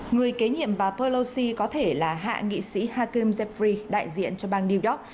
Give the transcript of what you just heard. người kế nhiệm bà pelosi có thể là hạ nghị sĩ hakim zephyr đại diện cho bang new york